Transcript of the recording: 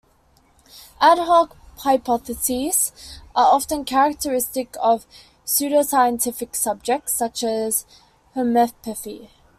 Ad hoc hypotheses are often characteristic of pseudo-scientific subjects such as homeopathy.